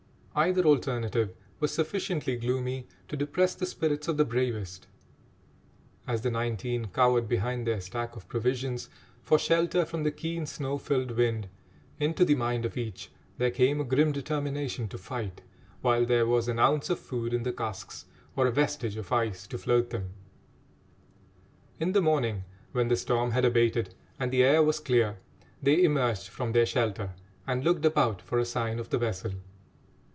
Either alternative was sufficiently gloomy to depress the spirits of the bravest; as the nineteen cowered behind their stack of provisions for shelter from the keen snow filled wind, into the mind of each there came a grim determination to fight while there was an ounce of food in the casks or a vestige of ice to float them. In the morning, when the storm had abated and the air was clear, they emerged from their shelter and looked about for a sign of the vessel.